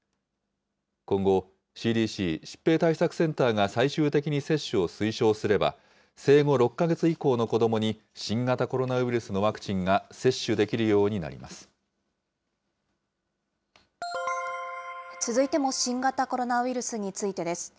今後、ＣＤＣ・疾病対策センターが最終的に接種を推奨すれば、生後６か月以降の子どもに新型コロナウイルスのワクチンが接種で続いても新型コロナウイルスについてです。